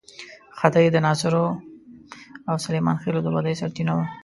خدۍ د ناصرو او سلیمان خېلو د بدۍ سرچینه وه.